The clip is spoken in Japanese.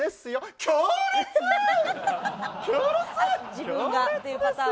自分がっていうパターンも。